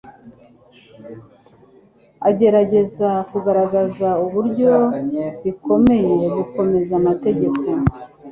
agerageza kugaragaza uburyo bikomeye gukomeza amategeko.